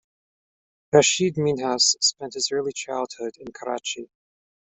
Rashid Minhas spent his early childhood in Karachi.